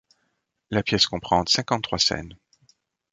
La pièce comprend cinquante-trois scènes.